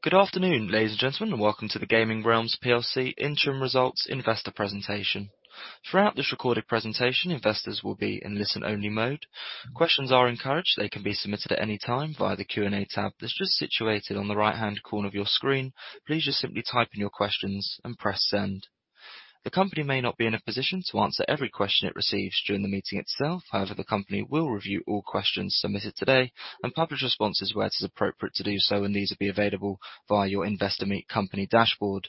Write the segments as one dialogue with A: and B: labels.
A: Good afternoon, ladies and gentlemen, and welcome to the Gaming Realms PLC Interim Results Investor Presentation. Throughout this recorded presentation, investors will be in listen-only mode. Questions are encouraged. They can be submitted at any time via the Q&A tab that's just situated on the right-hand corner of your screen. Please just simply type in your questions and press Send. The company may not be in a position to answer every question it receives during the meeting itself. However, the company will review all questions submitted today and publish responses where it is appropriate to do so, and these will be available via your Investor Meet Company dashboard.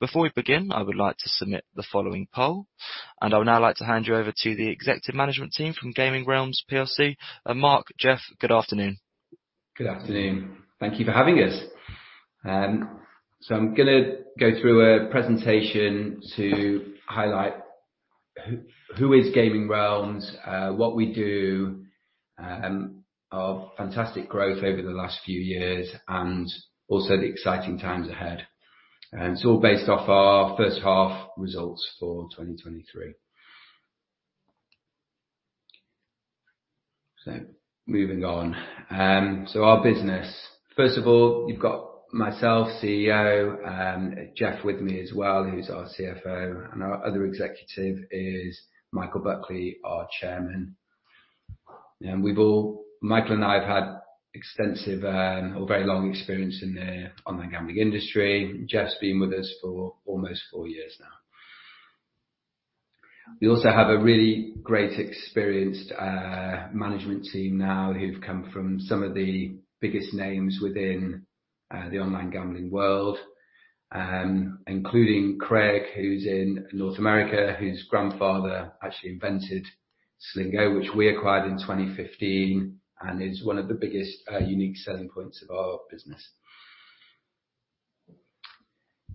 A: Before we begin, I would like to submit the following poll, and I would now like to hand you over to the executive management team from Gaming Realms PLC. Mark, Geoff, good afternoon.
B: Good afternoon. Thank you for having us. I'm gonna go through a presentation to highlight who is Gaming Realms, what we do, our fantastic growth over the last few years, and also the exciting times ahead. It's all based off our first half results for 2023. Moving on. Our business, first of all, you've got myself, CEO, Geoff with me as well, who's our CFO, and our other executive is Michael Buckley, our chairman. We've all... Michael and I have had extensive, or very long experience in the online gambling industry. Geoff's been with us for almost four years now. We also have a really great, experienced management team now who've come from some of the biggest names within the online gambling world, including Craig, who's in North America, whose grandfather actually invented Slingo, which we acquired in 2015, and is one of the biggest unique selling points of our business.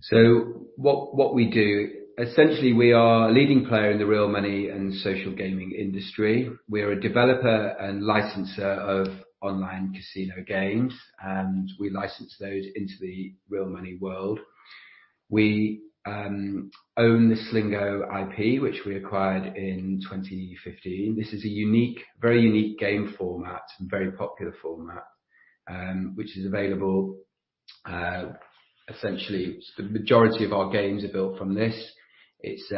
B: So what we do, essentially, we are a leading player in the real money and social gaming industry. We are a developer and licenser of online casino games, and we license those into the real money world. We own the Slingo IP, which we acquired in 2015. This is a unique, very unique game format, very popular format, which is available, essentially, the majority of our games are built from this. It's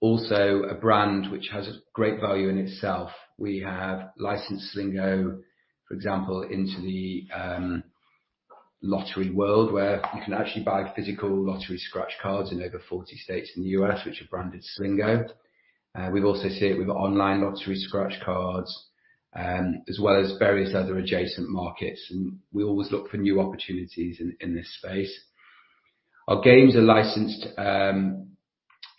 B: also a brand which has great value in itself. We have licensed Slingo, for example, into the lottery world, where you can actually buy physical lottery scratch cards in over 40 states in the U.S., which are branded Slingo. We've also seen it with online lottery scratch cards, as well as various other adjacent markets, and we always look for new opportunities in this space. Our games are licensed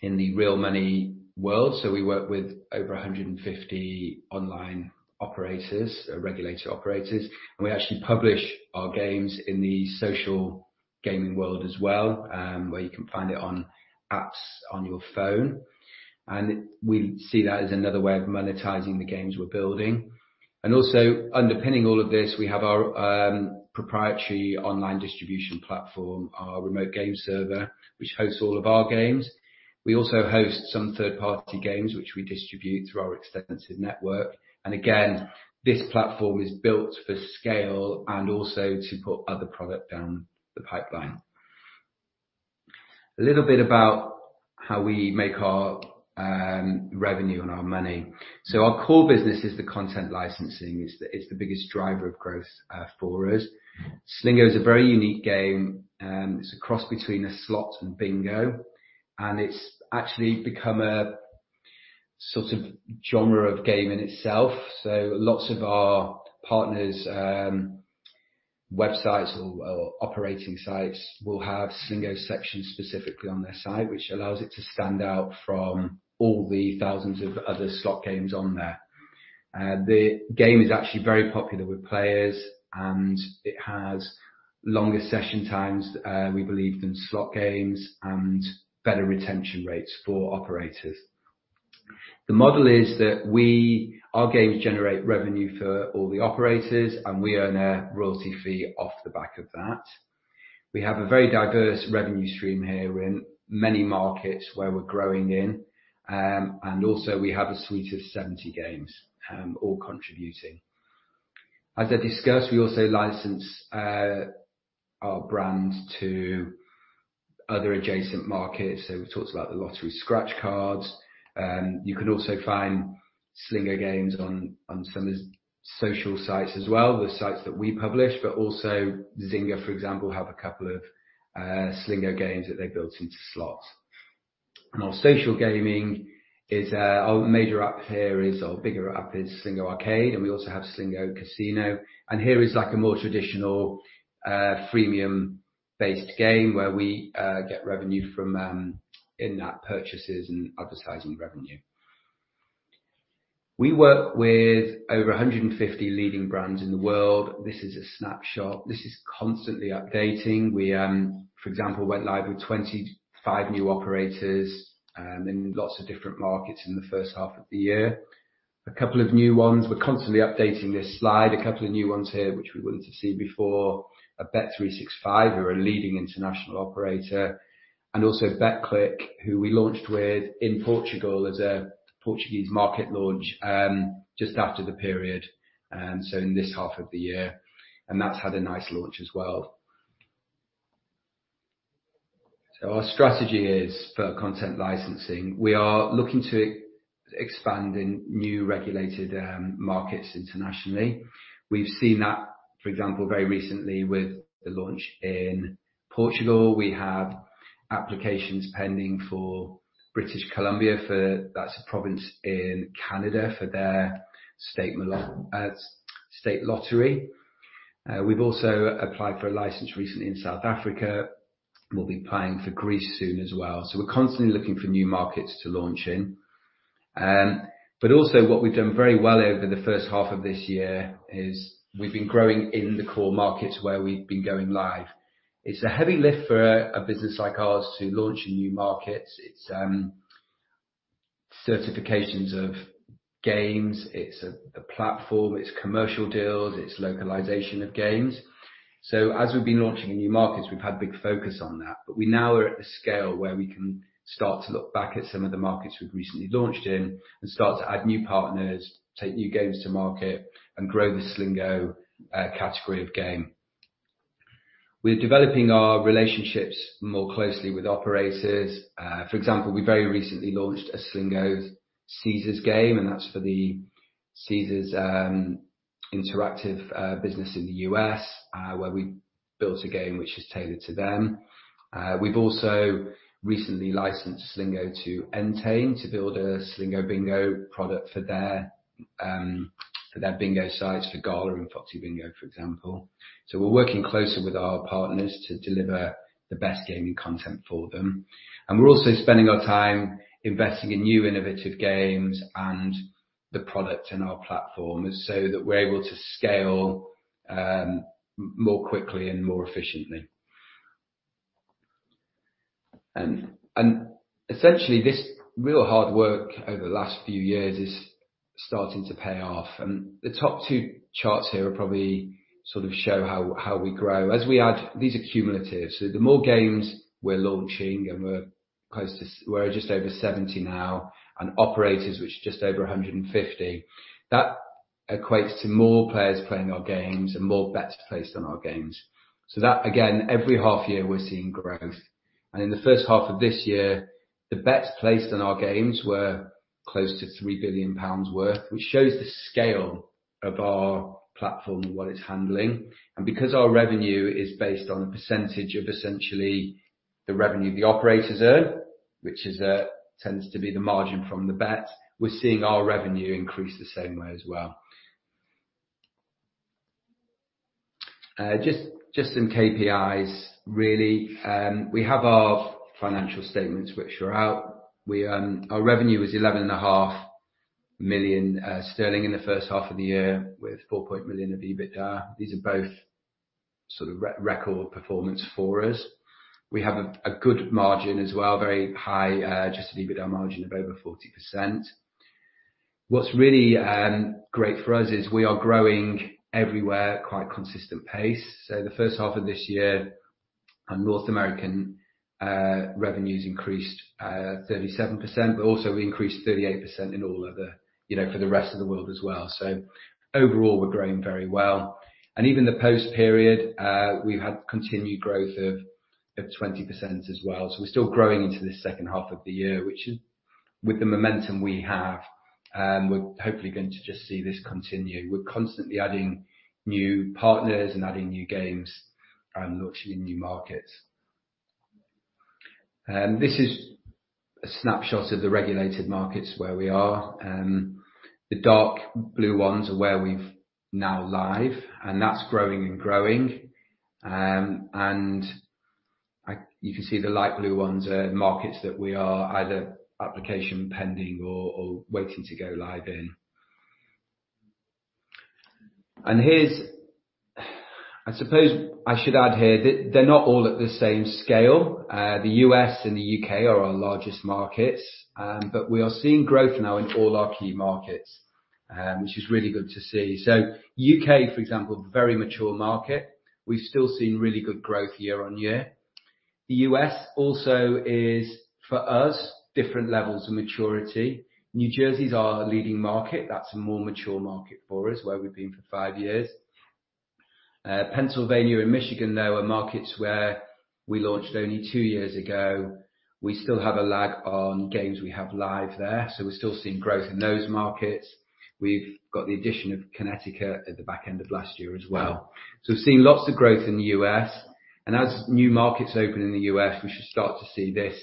B: in the real money world, so we work with over 150 online operators, regulated operators, and we actually publish our games in the social gaming world as well, where you can find it on apps on your phone. We see that as another way of monetizing the games we're building. Also underpinning all of this, we have our proprietary online distribution platform, our remote game server, which hosts all of our games. We also host some third-party games, which we distribute through our extensive network. Again, this platform is built for scale and also to put other product down the pipeline. A little bit about how we make our revenue and our money. Our core business is the Content Licensing. It's the, it's the biggest driver of growth for us. Slingo is a very unique game, it's a cross between a slot and bingo, and it's actually become a sort of genre of gaming in itself. Lots of our partners, websites or operating sites will have Slingo sections specifically on their site, which allows it to stand out from all the thousands of other slot games on there. The game is actually very popular with players, and it has longer session times, we believe, than slot games and better retention rates for operators. The model is that our games generate revenue for all the operators, and we earn a royalty fee off the back of that. We have a very diverse revenue stream here in many markets where we're growing in, and also we have a suite of 70 games, all contributing. As I discussed, we also license our brand to other adjacent markets. So we talked about the lottery scratch cards. You can also find Slingo games on some of the social sites as well, the sites that we publish, but also Zynga, for example, have a couple of Slingo games that they built into slots. Our social gaming is, our major app here is, our bigger app is Slingo Arcade, and we also have Slingo Casino. Here is like a more traditional, freemium-based game, where we get revenue from in-app purchases and advertising revenue. We work with over 150 leading brands in the world. This is a snapshot. This is constantly updating. We, for example, went live with 25 new operators in lots of different markets in the first half of the year. A couple of new ones. We're constantly updating this slide. A couple of new ones here, which we wouldn't have seen before, are Bet365, who are a leading international operator, and also Betclic, who we launched with in Portugal as a-... Portuguese market launch, just after the period, so in this half of the year, and that's had a nice launch as well. So our strategy is for Content Licensing. We are looking to expand in new regulated markets internationally. We've seen that, for example, very recently with the launch in Portugal. We have applications pending for British Columbia, that's a province in Canada, for their state lottery. We've also applied for a license recently in South Africa. We'll be applying for Greece soon as well. So we're constantly looking for new markets to launch in. But also what we've done very well over the first half of this year is, we've been growing in the core markets where we've been going live. It's a heavy lift for a business like ours to launch in new markets. It's certifications of games, it's a platform, it's commercial deals, it's localization of games. So as we've been launching in new markets, we've had big focus on that. But we now are at the scale where we can start to look back at some of the markets we've recently launched in and start to add new partners, take new games to market, and grow the Slingo category of game. We're developing our relationships more closely with operators. For example, we very recently launched a Slingo Caesars game, and that's for the Caesars Interactive business in the U.S., where we built a game which is tailored to them. We've also recently licensed Slingo to Entain, to build a Slingo bingo product for their bingo sites, for Gala and Foxy Bingo, for example. So we're working closely with our partners to deliver the best gaming content for them. And we're also spending our time investing in new innovative games and the product in our platforms, so that we're able to scale more quickly and more efficiently. And essentially, this real hard work over the last few years is starting to pay off, and the top two charts here are probably sort of show how we grow. As we add. These are cumulative, so the more games we're launching, and we're close to. We're just over 70 now, and operators, which are just over 150. That equates to more players playing our games and more bets placed on our games. So that, again, every half year we're seeing growth. In the first half of this year, the bets placed on our games were close to 3 billion pounds worth, which shows the scale of our platform and what it's handling. Because our revenue is based on a percentage of essentially the revenue the operators earn, which tends to be the margin from the bets, we're seeing our revenue increase the same way as well. Just, just some KPIs really. We have our financial statements, which are out. We, our revenue was 11.5 million sterling in the first half of the year, with 4 million of EBITDA. These are both sort of record performance for us. We have a good margin as well, very high, Adjusted EBITDA margin of over 40%. What's really great for us is we are growing everywhere, quite consistent pace. The first half of this year, North American revenues increased 37%, but also we increased 38% in all other, you know, for the rest of the world as well. Overall, we're growing very well. Even the post period, we've had continued growth of 20% as well. We're still growing into this second half of the year, which is... With the momentum we have, we're hopefully going to just see this continue. We're constantly adding new partners and adding new games and launching in new markets. This is a snapshot of the regulated markets where we are. The dark blue ones are where we're now live, and that's growing and growing. I-- you can see the light blue ones are markets that we are either application pending or waiting to go live in. I suppose I should add here that they're not all at the same scale. The U.S. and the U.K. are our largest markets, but we are seeing growth now in all our key markets, which is really good to see. U.K., for example, very mature market, we've still seen really good growth year-on-year. The U.S. also is, for us, different levels of maturity. New Jersey is our leading market. That's a more mature market for us, where we've been for five years. Pennsylvania and Michigan, though, are markets where we launched only two years ago. We still have a lag on games we have live there, so we're still seeing growth in those markets. We've got the addition of Connecticut at the back end of last year as well. So we've seen lots of growth in the U.S., and as new markets open in the U.S., we should start to see this,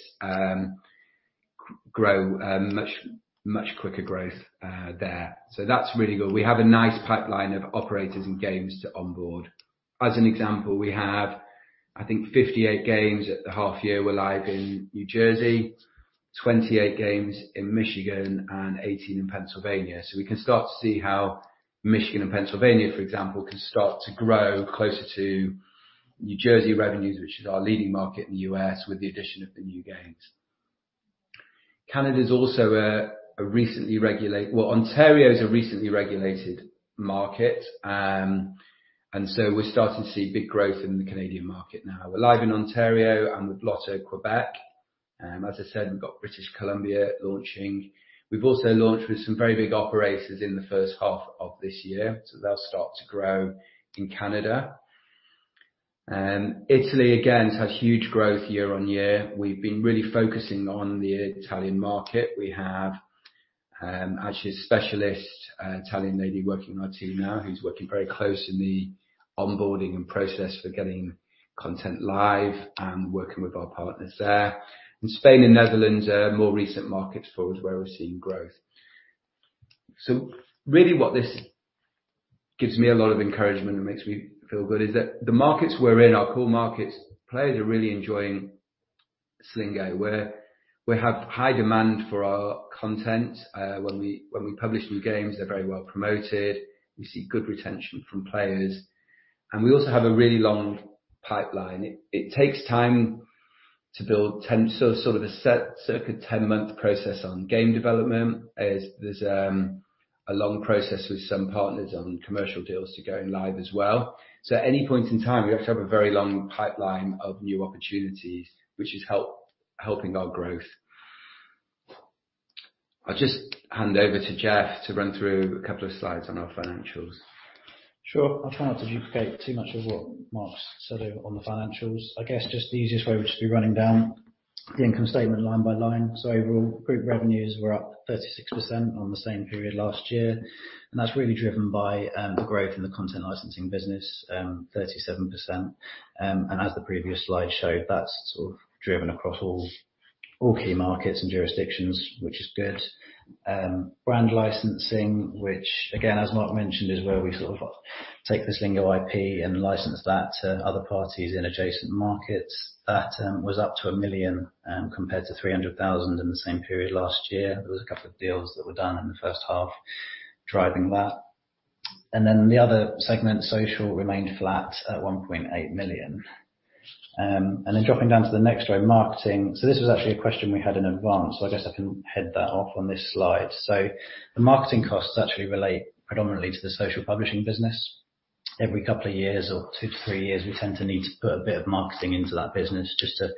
B: grow, much, much quicker growth, there. So that's really good. We have a nice pipeline of operators and games to onboard. As an example, we have, I think, 58 games at the half year were live in New Jersey, 28 games in Michigan, and 18 in Pennsylvania. So we can start to see how Michigan and Pennsylvania, for example, can start to grow closer to New Jersey revenues, which is our leading market in the U.S., with the addition of the new games. Canada is also a recently regulated market. Well, Ontario is a recently regulated market, and so we're starting to see big growth in the Canadian market now. We're live in Ontario and with Loto-Québec. As I said, we've got British Columbia launching. We've also launched with some very big operators in the first half of this year, so they'll start to grow in Canada. Italy, again, has had huge growth year on year. We've been really focusing on the Italian market. We have, actually, a specialist Italian lady working in our team now, who's working very closely in the onboarding and process for getting content live and working with our partners there. And Spain and Netherlands are more recent markets for us, where we're seeing growth. So really, what this gives me a lot of encouragement and makes me feel good is that the markets we're in, our core markets, players are really enjoying Slingo, where we have high demand for our content. When we publish new games, they're very well promoted. We see good retention from players, and we also have a really long pipeline. It takes time to build a 10-month process on game development. As there's a long process with some partners on commercial deals to going live as well. So at any point in time, we have a very long pipeline of new opportunities, which is helping our growth. I'll just hand over to Geoff to run through a couple of slides on our financials.
C: Sure. I'll try not to duplicate too much of what Mark said on the financials. I guess just the easiest way would just be running down the income statement line by line. So overall, group revenues were up 36% on the same period last year, and that's really driven by the growth in the Content Licensing business, 37%. And as the previous slide showed, that's sort of driven across all, all key markets and jurisdictions, which is good. Brand licensing, which again, as Mark mentioned, is where we sort of take the Slingo IP and license that to other parties in adjacent markets. That was up to 1 million, compared to 300,000 in the same period last year. There was a couple of deals that were done in the first half, driving that. And then the other segment, social, remained flat at 1.8 million. And then dropping down to the next row, marketing. So this was actually a question we had in advance, so I guess I can head that off on this slide. So the marketing costs actually relate predominantly to the Social Publishing business. Every couple of years or two to three years, we tend to need to put a bit of marketing into that business just to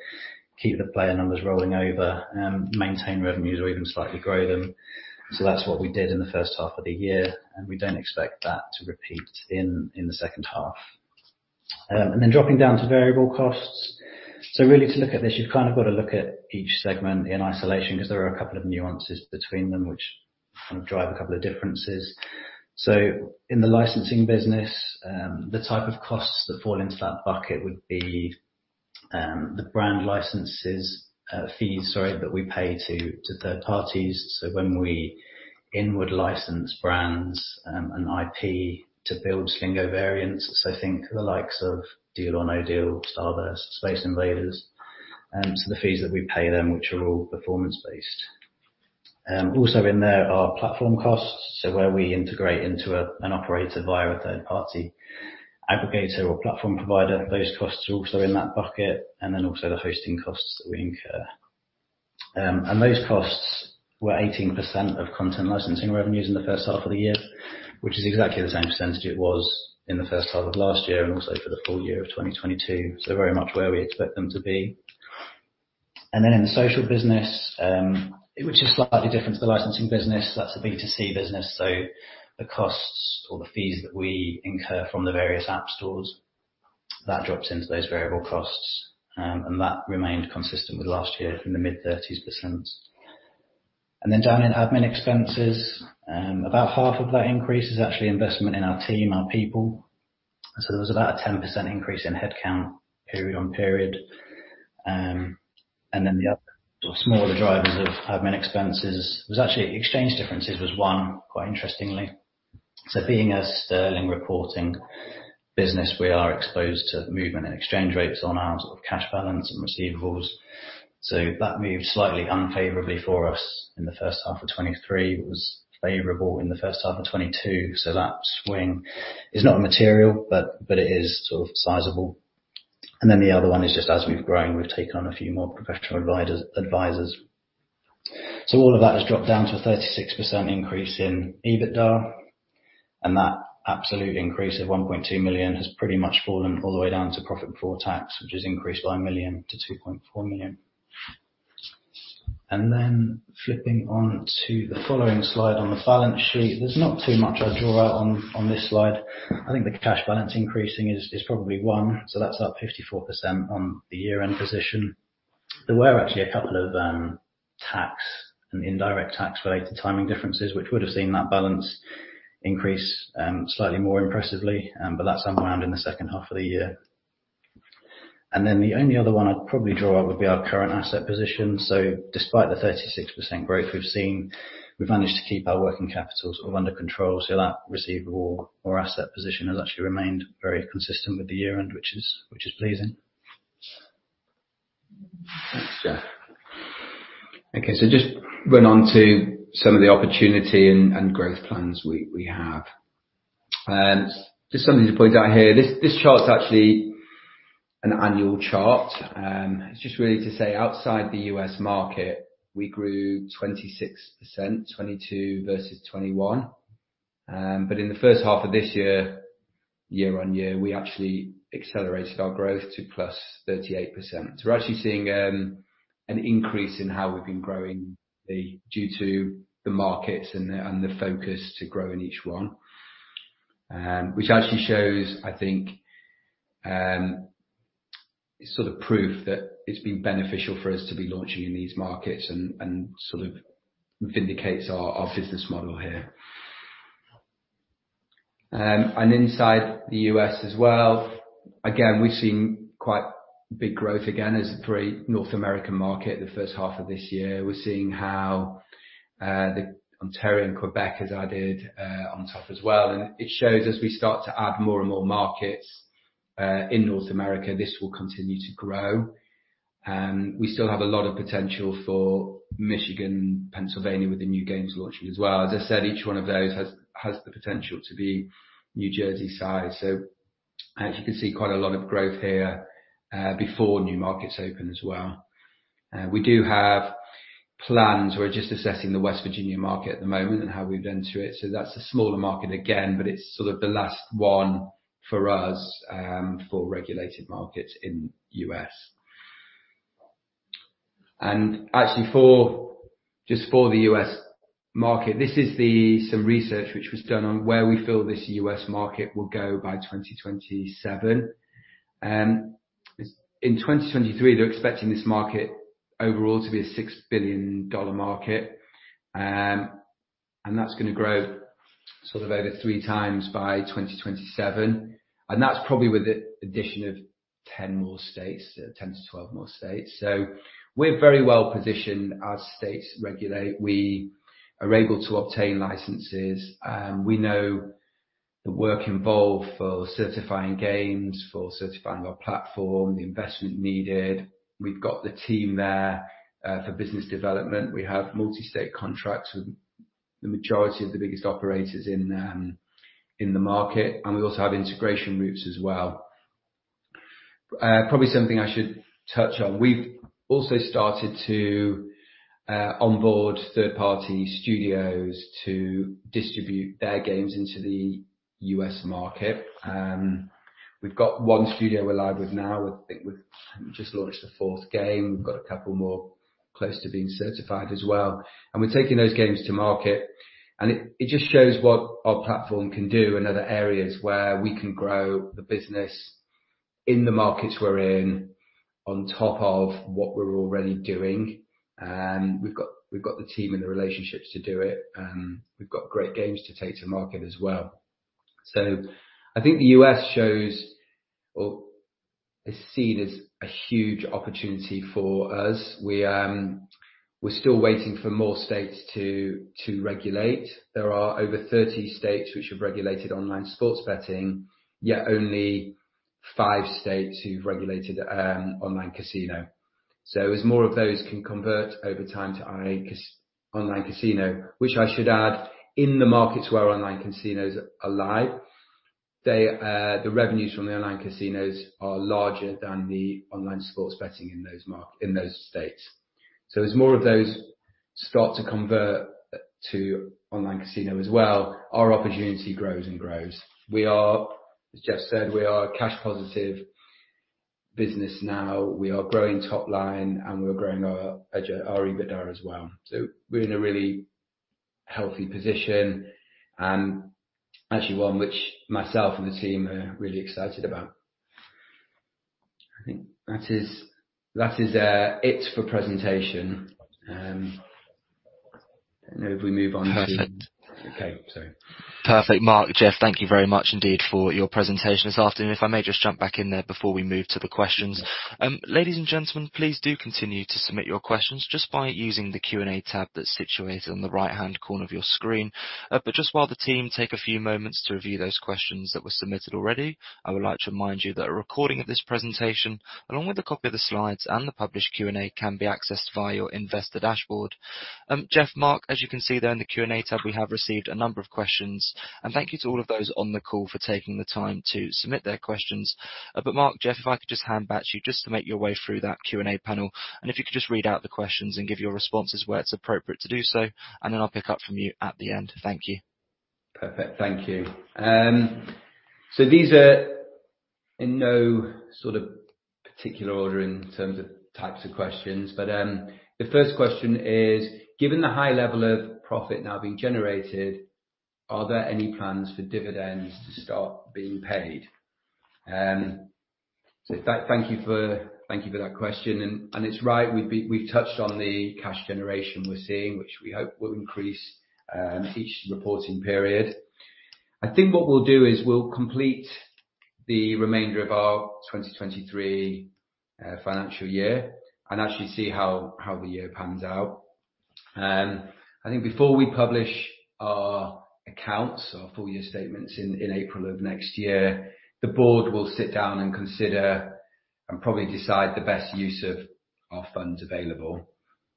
C: keep the player numbers rolling over, maintain revenues or even slightly grow them. So that's what we did in the first half of the year, and we don't expect that to repeat in the second half. And then dropping down to variable costs. So really, to look at this, you've kind of got to look at each segment in isolation, 'cause there are a couple of nuances between them, which kind of drive a couple of differences. So in the licensing business, the type of costs that fall into that bucket would be the brand licenses, fees, sorry, that we pay to third parties. So when we in-license brands and IP to build Slingo variants, so think the likes of Deal or No Deal, Starburst, Space Invaders, so the fees that we pay them, which are all performance-based. Also in there are platform costs, so where we integrate into an operator via a third-party aggregator or platform provider, those costs are also in that bucket, and then also the hosting costs that we incur. And those costs were 18% of Content Licensing revenues in the first half of the year, which is exactly the same percentage it was in the first half of last year and also for the full year of 2022. So very much where we expect them to be. And then in the social business, which is slightly different to the licensing business, that's a B2C business, so the costs or the fees that we incur from the various app stores, that drops into those variable costs. And that remained consistent with last year in the mid-30s%. And then down in admin expenses, about half of that increase is actually investment in our team, our people. So there was about a 10% increase in headcount period on period. And then the other smaller drivers of admin expenses was actually exchange differences was one, quite interestingly. So being a sterling-reporting business, we are exposed to movement in exchange rates on our sort of cash balance and receivables. So that moved slightly unfavorably for us in the first half of 2023. It was favorable in the first half of 2022, so that swing is not material, but it is sort of sizable. And then the other one is just as we've grown, we've taken on a few more professional advisors. So all of that has dropped down to a 36% increase in EBITDA, and that absolute increase of 1.2 million has pretty much fallen all the way down to profit before tax, which has increased by 1 million to 2.4 million. Then flipping on to the following slide on the balance sheet, there's not too much I'd draw out on this slide. I think the cash balance increasing is probably one, so that's up 54% on the year-end position. There were actually a couple of tax and indirect tax-related timing differences, which would have seen that balance increase slightly more impressively, but that's unwound in the second half of the year. And then, the only other one I'd probably draw out would be our current asset position. So despite the 36% growth we've seen, we've managed to keep our working capital sort of under control, so that receivable or asset position has actually remained very consistent with the year-end, which is pleasing.
B: Thanks, Geoff. Okay, just went on to some of the opportunity and growth plans we have. Just something to point out here. This chart is actually an annual chart. It's just really to say, outside the U.S. market, we grew 26% in 2022 versus 2021. In the first half of this year, year-on-year, we actually accelerated our growth to +38%. We're actually seeing an increase in how we've been growing due to the markets and the focus to grow in each one. Which actually shows, I think, sort of proof that it's been beneficial for us to be launching in these markets and sort of vindicates our business model here. And inside the U.S. as well, again, we've seen quite big growth again, as a pretty North American market the first half of this year. We're seeing how the Ontario and Québec has added on top as well, and it shows as we start to add more and more markets in North America, this will continue to grow. We still have a lot of potential for Michigan, Pennsylvania, with the new games launching as well. As I said, each one of those has the potential to be New Jersey size. So as you can see, quite a lot of growth here before new markets open as well. We do have plans. We're just assessing the West Virginia market at the moment and how we'd enter it. That's a smaller market again, but it's sort of the last one for us, for regulated markets in the U.S. Actually, just for the U.S. market, this is the... Some research which was done on where we feel this U.S. market will go by 2027. In 2023, they're expecting this market overall to be a $6 billion market, and that's gonna grow sort of over 3x by 2027, and that's probably with the addition of 10-12 more states. We're very well positioned as states regulate. We are able to obtain licenses, we know the work involved for certifying games, for certifying our platform, the investment needed. We've got the team there for business development. We have multi-state contracts with the majority of the biggest operators in the market, and we also have integration routes as well. Probably something I should touch on. We've also started to onboard third-party studios to distribute their games into the U.S. market. We've got one studio we're live with now. I think we've just launched the fourth game. We've got a couple more close to being certified as well, and we're taking those games to market, and it just shows what our platform can do in other areas where we can grow the business in the markets we're in, on top of what we're already doing. We've got the team and the relationships to do it. We've got great games to take to market as well. So I think the U.S. shows or is seen as a huge opportunity for us. We, we're still waiting for more states to regulate. There are over 30 states which have regulated online sports betting, yet only five states who've regulated online casino. So as more of those can convert over time to online casino, which I should add, in the markets where online casinos are live, they the revenues from the online casinos are larger than the online sports betting in those states. So as more of those start to convert to online casino as well, our opportunity grows and grows. We are, as Geoff said, we are a cash positive business now. We are growing top line, and we're growing our edge, our EBITDA as well. So we're in a really healthy position, and actually one which myself and the team are really excited about. I think that is it for presentation. I don't know if we move on to-
A: Perfect.
B: Okay. So.
A: Perfect. Mark, Geoff, thank you very much indeed for your presentation this afternoon. If I may just jump back in there before we move to the questions. Ladies and gentlemen, please do continue to submit your questions just by using the Q&A tab that's situated on the right-hand corner of your screen. But just while the team take a few moments to review those questions that were submitted already, I would like to remind you that a recording of this presentation, along with a copy of the slides and the published Q&A, can be accessed via your investor dashboard. Geoff, Mark, as you can see there in the Q&A tab, we have received a number of questions, and thank you to all of those on the call for taking the time to submit their questions. Mark, Geoff, if I could just hand back to you just to make your way through that Q&A panel, and if you could just read out the questions and give your responses where it's appropriate to do so, and then I'll pick up from you at the end. Thank you.
B: Perfect. Thank you. These are in no sort of particular order in terms of types of questions, but the first question is: Given the high level of profit now being generated, are there any plans for dividends to start being paid? Thank you for, thank you for that question. It's right, we've been-- we've touched on the cash generation we're seeing, which we hope will increase each reporting period. I think what we'll do is we'll complete the remainder of our 2023 financial year and actually see how the year pans out. I think before we publish our accounts, our full year statements in April of next year, the board will sit down and consider and probably decide the best use of our funds available.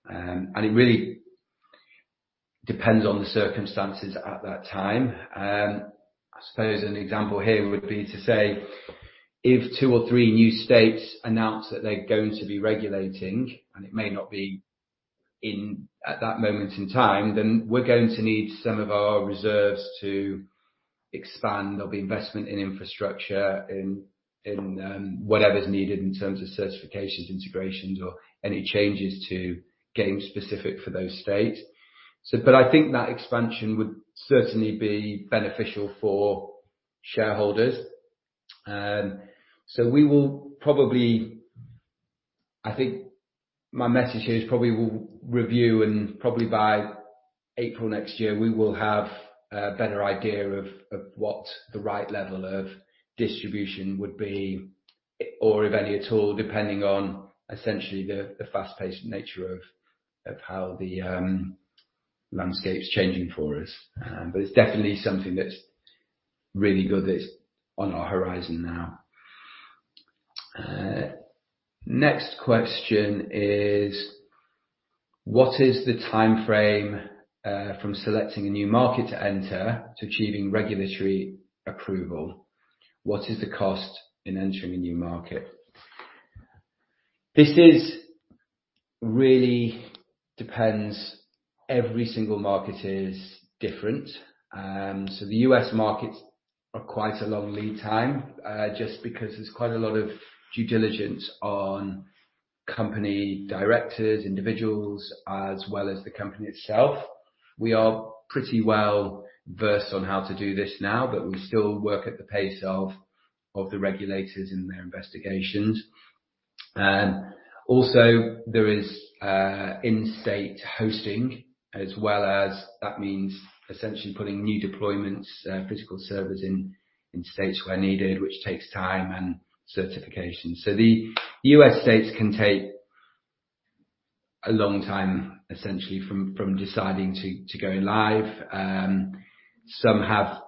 B: It really depends on the circumstances at that time. I suppose an example here would be to say, if two or three new states announce that they're going to be regulating, and it may not be in at that moment in time, then we're going to need some of our reserves to expand. There'll be investment in infrastructure, whatever's needed in terms of certifications, integrations, or any changes to games specific for those states. So but I think that expansion would certainly be beneficial for shareholders. So we will probably. I think my message here is probably we'll review, and probably by April next year, we will have a better idea of what the right level of distribution would be, or if any at all, depending on essentially the fast-paced nature of how the landscape's changing for us. But it's definitely something that's really good that's on our horizon now. Next question is: What is the timeframe from selecting a new market to enter to achieving regulatory approval? What is the cost in entering a new market? This is really depends. Every single market is different. So the U.S. markets are quite a long lead time just because there's quite a lot of due diligence on company directors, individuals, as well as the company itself. We are pretty well versed on how to do this now, but we still work at the pace of the regulators in their investigations. Also, there is in-state hosting, as well as that means essentially putting new deployments physical servers in states where needed, which takes time and certification. So the U.S. states can take a long time, essentially from deciding to go live. Some have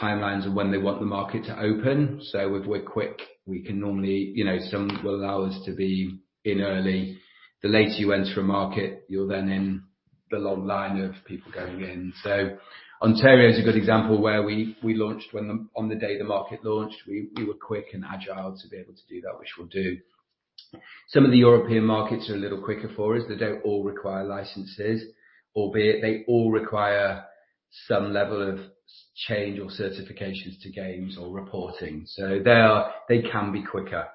B: timelines of when they want the market to open, so if we're quick, we can normally... You know, some will allow us to be in early. The later you enter a market, you're then in the long line of people going in. So Ontario is a good example where we launched on the day the market launched. We were quick and agile to be able to do that, which we'll do. Some of the European markets are a little quicker for us. They don't all require licenses, albeit they all require some level of change or certifications to games or reporting. So they can be quicker.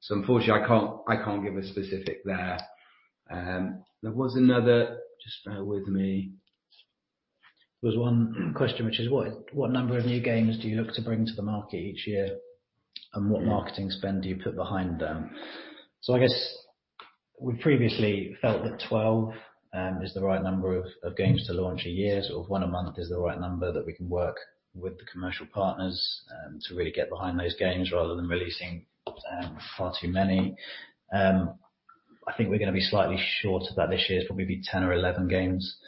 B: So unfortunately, I can't give a specific there. There was another... Just bear with me.
C: There was one question, which is: What number of new games do you look to bring to the market each year? And what marketing spend do you put behind them? So I guess we previously felt that 12 is the right number of games to launch a year, so one a month is the right number that we can work with the commercial partners to really get behind those games, rather than releasing far too many. I think we're gonna be slightly short of that this year. It's probably be 10 or 11 games.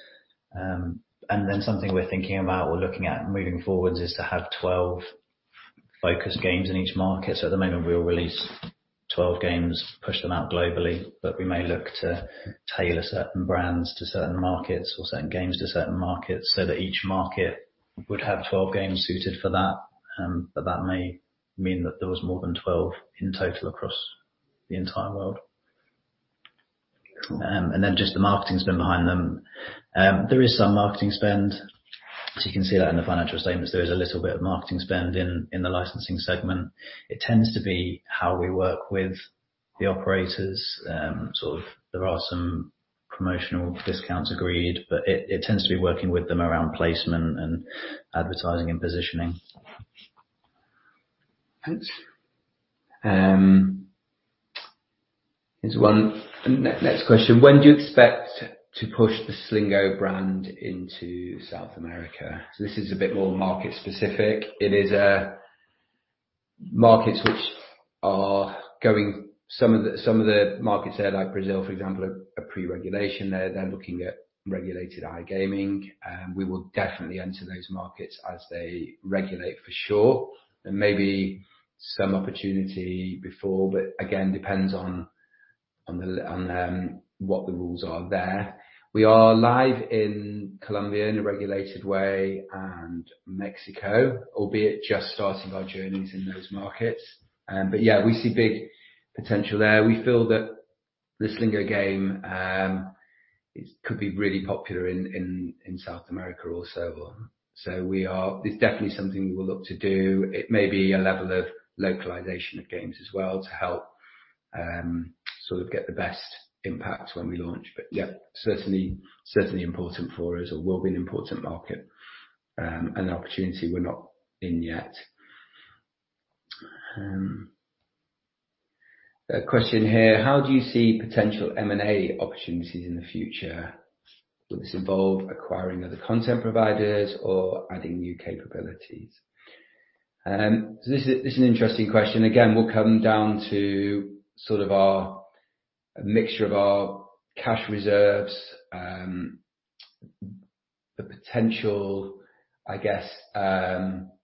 C: And then something we're thinking about or looking at moving forwards is to have 12 focused games in each market. So at the moment, we'll release 12 games, push them out globally, but we may look to tailor certain brands to certain markets or certain games to certain markets, so that each market would have 12 games suited for that. But that may mean that there was more than 12 in total across the entire world. And then just the marketing spend behind them. There is some marketing spend, so you can see that in the financial statements. There is a little bit of marketing spend in the licensing segment. It tends to be how we work with the operators. Sort of there are some promotional discounts agreed, but it tends to be working with them around placement and advertising and positioning.
B: Thanks. Here's one. Next question: When do you expect to push the Slingo brand into South America? This is a bit more market specific. It is markets which are going-- Some of the markets there, like Brazil, for example, are pre-regulation. They're then looking at regulated iGaming, and we will definitely enter those markets as they regulate, for sure, and maybe some opportunity before, but again, depends on what the rules are there. We are live in Colombia in a regulated way and Mexico, albeit just starting our journeys in those markets. Yeah, we see big potential there. We feel that the Slingo game is, could be really popular in South America also. We are-- It's definitely something we will look to do. It may be a level of localization of games as well to help, sort of get the best impact when we launch. But yeah, certainly, certainly important for us, or will be an important market, and an opportunity we're not in yet. A question here: How do you see potential M&A opportunities in the future? Will this involve acquiring other content providers or adding new capabilities? So this is an interesting question. Again, we'll come down to sort of our mixture of cash reserves, the potential, I guess,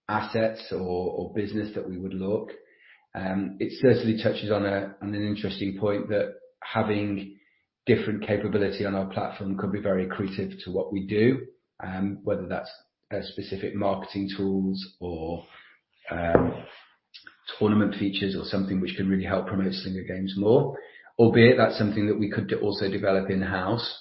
B: assets or business that we would look. It certainly touches on an interesting point that having different capability on our platform could be very accretive to what we do, whether that's, specific marketing tools or,... Tournament features or something which can really help promote Slingo games more, albeit that's something that we could also develop in-house.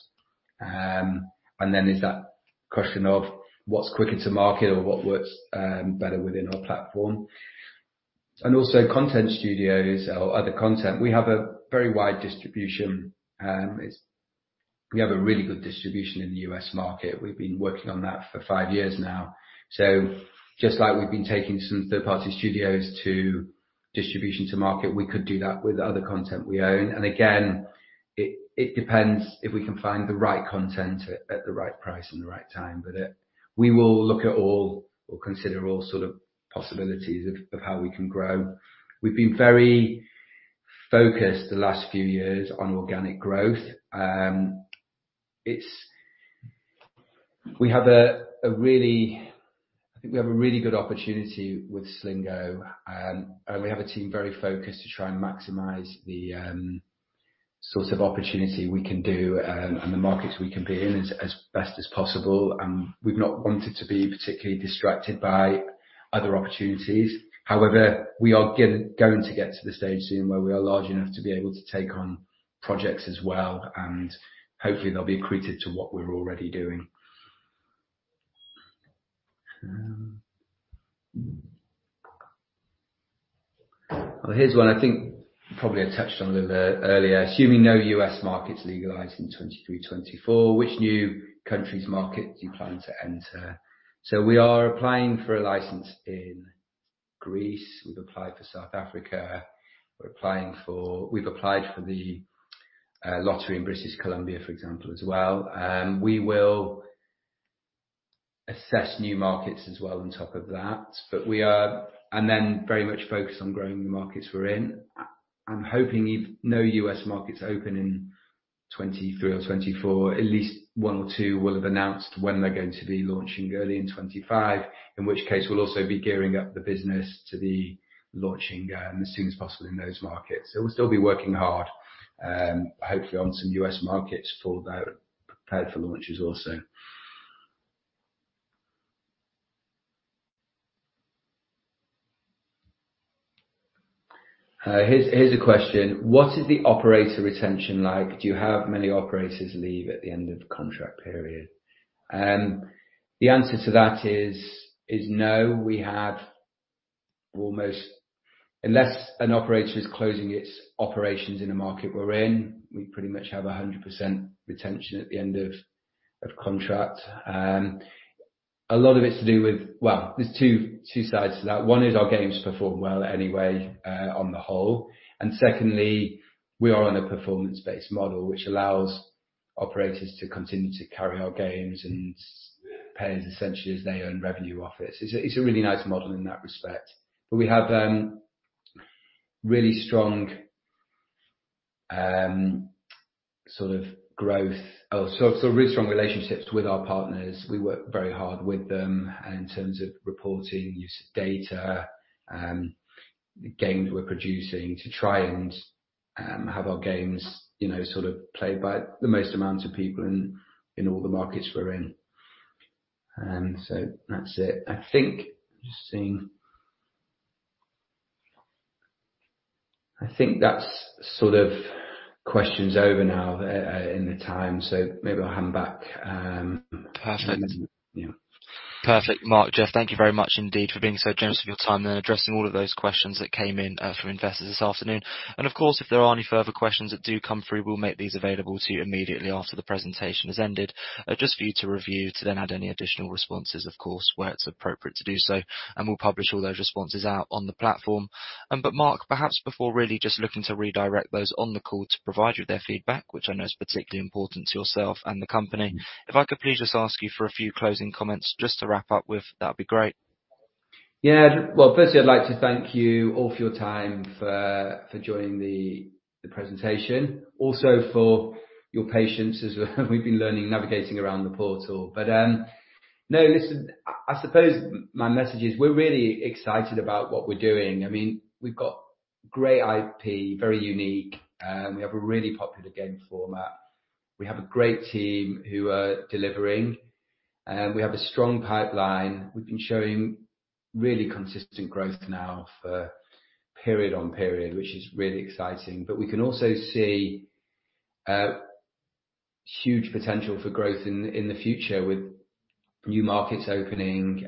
B: There's that question of what's quicker to market or what works better within our platform. Also, content studios or other content. We have a very wide distribution, it's—we have a really good distribution in the U.S. market. We've been working on that for five years now. Just like we've been taking some third-party studios to distribution to market, we could do that with other content we own. Again, it depends if we can find the right content at the right price and the right time. We will look at all or consider all sort of possibilities of how we can grow. We've been very focused the last few years on organic growth, it's... We have a really, I think we have a really good opportunity with Slingo, and we have a team very focused to try and maximize the, sort of opportunity we can do, and the markets we can be in as best as possible. And we've not wanted to be particularly distracted by other opportunities. However, we are going to get to the stage soon where we are large enough to be able to take on projects as well, and hopefully they'll be accreted to what we're already doing. Well, here's one I think probably I touched on a little bit earlier: Assuming no U.S. markets legalizing 2023, 2024, which new countries markets do you plan to enter? So we are applying for a license in Greece. We've applied for South Africa. We're applying for... We've applied for the lottery in British Columbia, for example, as well. We will assess new markets as well on top of that, but we are and then very much focused on growing the markets we're in. I'm hoping if no U.S. markets open in 2023 or 2024, at least one or two will have announced when they're going to be launching early in 2025, in which case we'll also be gearing up the business to be launching as soon as possible in those markets. So we'll still be working hard, hopefully on some U.S. markets for that, prepared for launches also. Here's a question: What is the operator retention like? Do you have many operators leave at the end of the contract period? The answer to that is no. We have almost... Unless an operator is closing its operations in a market we're in, we pretty much have 100% retention at the end of contract. A lot of it's to do with... Well, there's two sides to that. One is our games perform well anyway, on the whole, and secondly, we are on a performance-based model, which allows operators to continue to carry our games and pay us essentially as they earn revenue off it. It's a really nice model in that respect. But we have really strong relationships with our partners. We work very hard with them in terms of reporting, use of data, the games we're producing to try and have our games, you know, sort of played by the most amount of people in, in all the markets we're in. So that's it. I think, I'm just seeing... I think that's sort of questions over now, in the time, so maybe I'll hand back.
A: Perfect.
B: Yeah.
A: Perfect. Mark, Geoff, thank you very much indeed for being so generous with your time and addressing all of those questions that came in from investors this afternoon. Of course, if there are any further questions that do come through, we'll make these available to you immediately after the presentation has ended, just for you to review, to then add any additional responses, of course, where it's appropriate to do so, and we'll publish all those responses out on the platform. But Mark, perhaps before really just looking to redirect those on the call to provide you with their feedback, which I know is particularly important to yourself and the company, if I could please just ask you for a few closing comments just to wrap up with, that'd be great.
B: Yeah. Well, firstly, I'd like to thank you all for your time for joining the presentation, also for your patience as we've been learning, navigating around the portal. No, listen, I suppose my message is, we're really excited about what we're doing. I mean, we've got great IP, very unique, we have a really popular game format. We have a great team who are delivering, we have a strong pipeline. We've been showing really consistent growth now for period on period, which is really exciting. We can also see huge potential for growth in the future with new markets opening,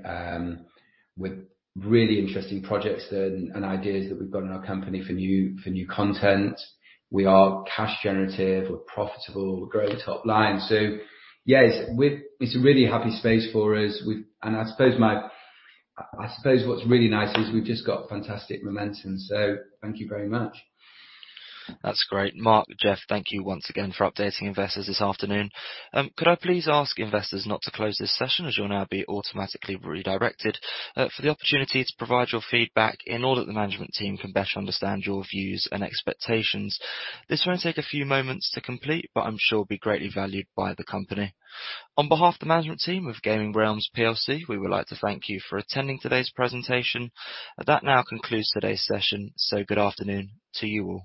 B: with really interesting projects and ideas that we've got in our company for new content. We are cash generative, we're profitable, we're growing the top line. So yes, it's a really happy space for us. And I suppose what's really nice is we've just got fantastic momentum, so thank you very much.
A: That's great. Mark, Geoff, thank you once again for updating investors this afternoon. Could I please ask investors not to close this session, as you'll now be automatically redirected, for the opportunity to provide your feedback in order that the management team can best understand your views and expectations. This will only take a few moments to complete, but I'm sure will be greatly valued by the company. On behalf of the management team of Gaming Realms PLC, we would like to thank you for attending today's presentation. That now concludes today's session, so good afternoon to you all.